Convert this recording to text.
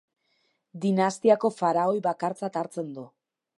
Dinastiako faraoi bakartzat hartzen du.